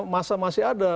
masa masih ada